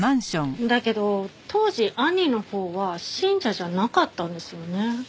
だけど当時兄のほうは信者じゃなかったんですよね。